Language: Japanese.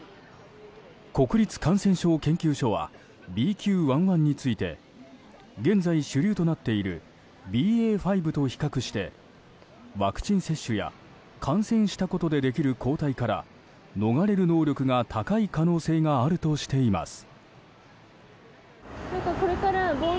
国立感染症研究所はＢＱ．１．１について現在主流となっているＢＡ．５と比較してワクチン接種や感染したことでできる抗体から逃れる能力が高い可能性があるとしています。